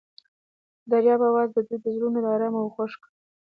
د دریاب اواز د دوی زړونه ارامه او خوښ کړل.